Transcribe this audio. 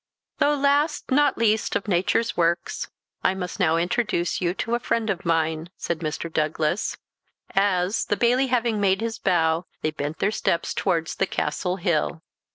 "THOUGH last, not least of nature's works, I must now introduce you to a friend of mine," said Mr. Douglas, as, the Bailie having made his bow, they bent their steps towards the Castle Hill.